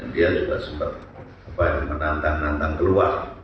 dia juga sempat menantang nantang keluar